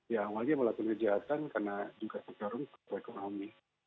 yang awalnya melakukan kejahatan karena juga terhormat ke ekonomi